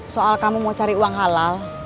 soal kamu mau cari uang halal